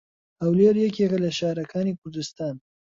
هەولێر یەکێکە لە شارەکانی کوردستان.